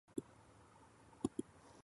何のためにパートナーが必要なのか？